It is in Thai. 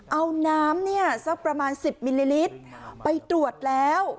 เอาน้ำเนี่ยสักประมาณ๑๐มิลลิลิตรไปตรวจแล้ว